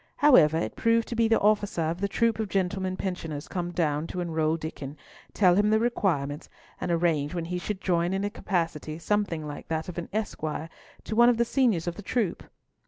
However, it proved to be the officer of the troop of gentlemen pensioners come to enroll Diccon, tell him the requirements, and arrange when he should join in a capacity something like that of an esquire to one of the seniors of the troop.